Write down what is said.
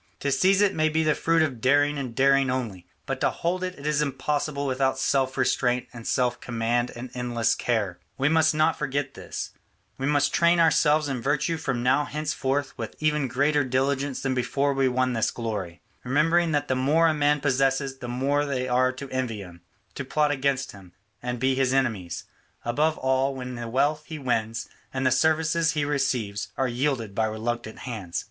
To seize it may be the fruit of daring and daring only, but to hold it is impossible without self restraint and self command and endless care. We must not forget this; we must train ourselves in virtue from now henceforward with even greater diligence than before we won this glory, remembering that the more a man possesses, the more there are to envy him, to plot against him, and be his enemies, above all when the wealth he wins and the services he receives are yielded by reluctant hands.